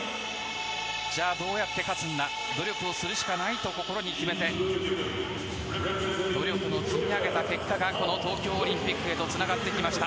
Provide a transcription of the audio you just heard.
じゃあどうやって勝つんだ努力するしかないと心に決めて努力を積み上げた結果がこの東京オリンピックへとつながってきました。